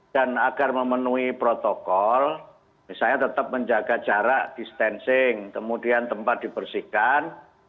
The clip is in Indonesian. dan agar memenuhi protokol misalnya tetap menjaga jarak distancing kemudian tempat dibersihkan